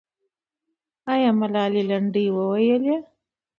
آیا ملالۍ لنډۍ وویلې؟